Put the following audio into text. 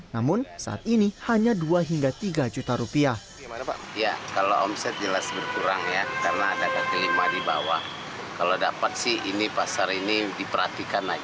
namun saat ini hanya dua hingga tiga juta rupiah